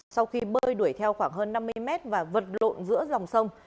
sau khi bơi đuổi theo khoảng hơn năm mươi mét và vật lộn giữa dòng sông